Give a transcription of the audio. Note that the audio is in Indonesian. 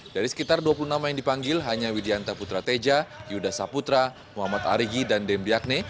dari sekitar dua puluh enam yang dipanggil hanya widianta putrateja yuda saputra muhammad arigi dan dembyakne